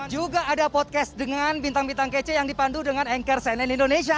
juga ada podcast dengan bintang bintang kece yang dipandu dengan anchor cnn indonesia